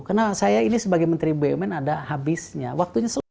karena saya ini sebagai menteri bumn ada habisnya